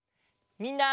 みんな！